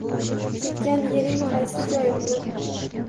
Ketgan yering qaysi joy, o’g’lim?